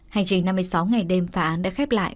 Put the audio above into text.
hành trình năm mươi sáu ngày đêm phá án đã khép lại